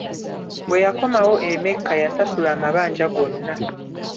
Bwe yakomawo e Mecca yasasula amabanja gonna.